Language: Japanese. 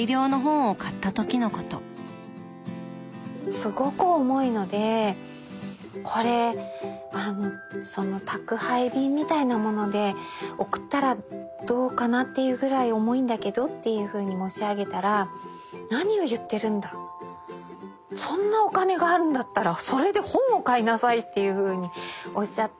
すごく重いのでこれ宅配便みたいなもので送ったらどうかなっていうぐらい重いんだけどっていうふうに申し上げたら何を言っているんだそんなお金があるんだったらそれで本を買いなさいっていうふうにおっしゃって。